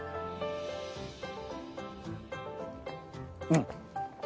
うん。